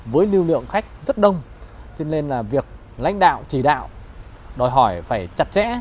với lưu lượng khách rất đông cho nên là việc lãnh đạo chỉ đạo đòi hỏi phải chặt chẽ